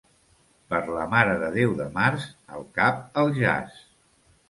Per la Mare de Déu de març, el cap al jaç.